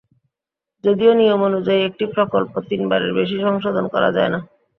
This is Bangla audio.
যদিও নিয়ম অনুযায়ী একটি প্রকল্প তিনবারের বেশি সংশোধন করা যায় না।